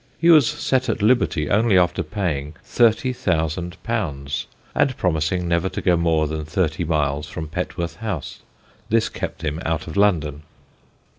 He was set at liberty only after paying _£_30,000, and promising never to go more than thirty miles from Petworth House. This kept him out of London.